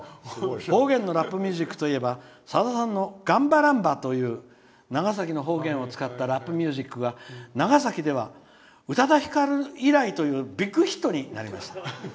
方言のラップミュージックといえばさださんの「がんばらんば」という長崎の方言を使ったラップミュージックが長崎では宇多田ヒカル以来というビッグヒットになりました。